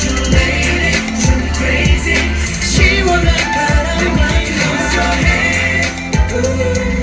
เยี่ยมมาก